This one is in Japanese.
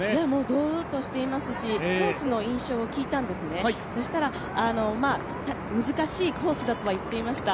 堂々としていますし、コースの印象を聞いたんですね、そしたら難しいコースだとは言っていました。